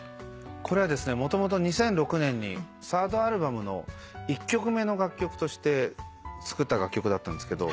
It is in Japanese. これはもともと２００６年にサードアルバムの１曲目の楽曲として作った楽曲だったんですけど。